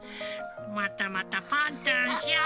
またまたパンタンしゃん。